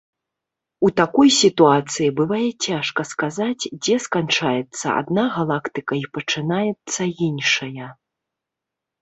У такой сітуацыі бывае цяжка сказаць, дзе сканчаецца адна галактыка і пачынаецца іншая.